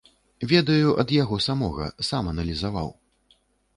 Ведаю ад яго самога, сам аналізаваў.